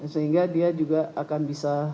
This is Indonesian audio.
sehingga dia juga akan bisa